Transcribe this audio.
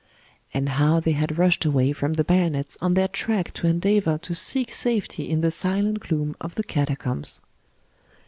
And how they had rushed away from the bayonets on their track to endeavour to seek safety in the silent gloom of the catacombs.